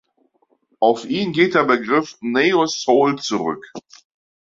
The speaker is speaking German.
Auf ihn geht der Begriff „Neo Soul“ zurück.